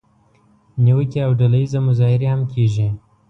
نیوکې او ډله اییزه مظاهرې هم کیږي.